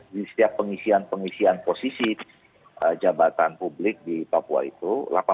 di setiap pengisian pengisian posisi jabatan publik di papua itu